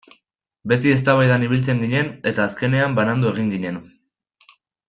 Beti eztabaidan ibiltzen ginen eta azkenean banandu egin ginen.